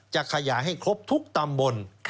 จะขยายให้ครบทุกตำบล